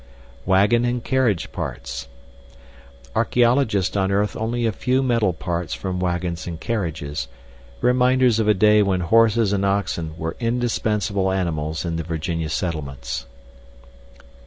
Wagon and Carriage Parts. Archeologists unearthed only a few metal parts from wagons and carriages reminders of a day when horses and oxen were indispensable animals in the Virginia settlements.